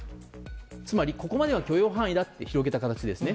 つまり、ここまでは許容範囲だと広げた形ですね。